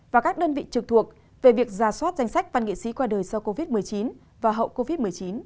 và các đơn vị trực thuộc về việc ra soát danh sách văn nghệ sĩ qua đời do covid một mươi chín và hậu covid một mươi chín